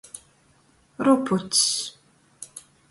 Rupucs.